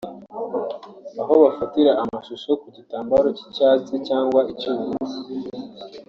aho bafatira amashusho ku gitambaro cy’icyatsi cyangwa ubururu